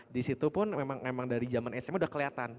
disitu pun memang dari zaman sm udah keliatan